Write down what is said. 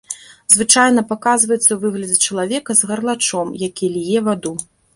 Звычайна паказваецца ў выглядзе чалавека з гарлачом, які ліе ваду.